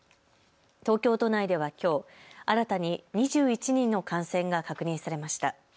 東京都内ではきょう新たに２１人の感染が確認されました。